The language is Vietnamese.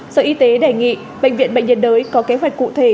sở y tế đề nghị bệnh viện bệnh nhiệt đới có kế hoạch cụ thể